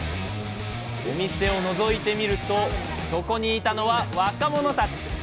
お店をのぞいてみるとそこにいたのは若者たち！